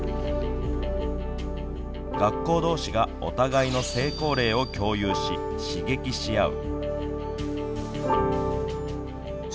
学校どうしがお互いの成功例を共有し刺激し合う。